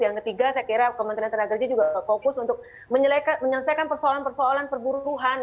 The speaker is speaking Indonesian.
yang ketiga saya kira kementerian tenaga kerja juga fokus untuk menyelesaikan persoalan persoalan perburuhan